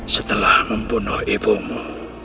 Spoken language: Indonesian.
setelah membunuh ibumu